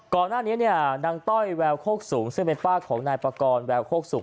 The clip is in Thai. ก่อนหน้านี้เนี่ยนางต้อยแววโคกสูงซึ่งเป็นป้าของนายปากรแววโคกสุก